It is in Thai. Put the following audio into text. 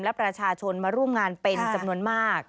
และประชาชนมาร่วมงานเป็นจำนวนมาก